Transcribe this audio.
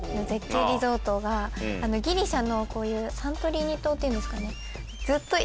ギリシャのこういうサントリーニ島っていうんですかね。